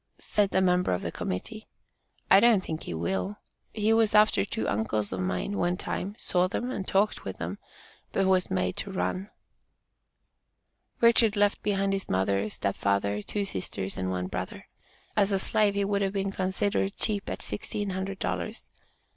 said a member of the Committee. "I don't think he will. He was after two uncles of mine, one time, saw them, and talked with them, but was made to run." Richard left behind his mother, step father, two sisters, and one brother. As a slave, he would have been considered cheap at sixteen hundred dollars.